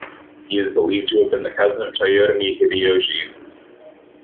He is believed to have been the cousin of Toyotomi Hideyoshi.